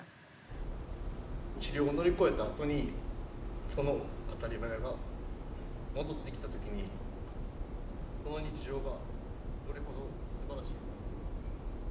治療を乗り越えたあとにその当たり前が戻ってきた時にこの日常がどれほどすばらしい。